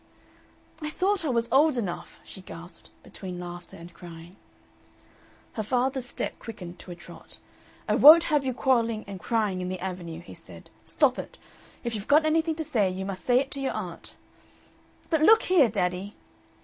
"I thought I was old enough," she gasped, between laughter and crying. Her father's step quickened to a trot. "I won't have you quarrelling and crying in the Avenue," he said. "Stop it!... If you've got anything to say, you must say it to your aunt " "But look here, daddy!"